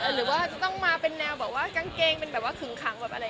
หรือว่าจะต้องมาเป็นแนวกางเกงเป็นแบบว่าขึงขัง